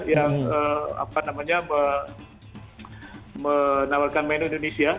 yang apa namanya menawarkan menu indonesia